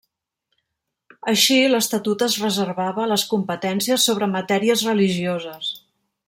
Així l'Estatut es reservava les competències sobre matèries religioses.